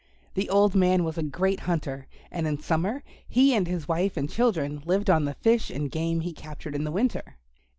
The old man was a great hunter, and in summer he and his wife and children lived on the fish and game he captured in the winter.